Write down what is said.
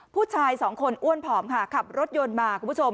ผู้ชายสองคนอ้วนผอมค่ะขับรถยนต์มาคุณผู้ชม